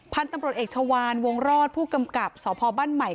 พันธุ์ตำรวจเอกชาวานวงรอดผู้กำกับสพบ้านใหม่